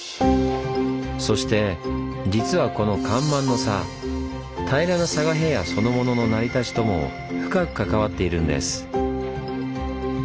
そして実はこの干満の差平らな佐賀平野そのものの成り立ちとも深く関わっているんです。